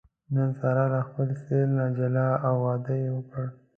نن ساره له خپل سېل نه جلا او واده یې وکړ.